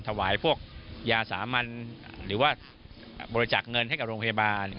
ถวายพวกยาสามัญหรือว่าบริจักษ์เงินให้กับโรงพยาบาล